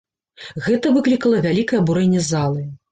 Гэта выклікала вялікае абурэнне залы.